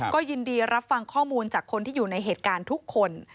ก็ยินดีรับฟังข้อมูลจากคนที่อยู่ในเหตุการณ์ทุกคน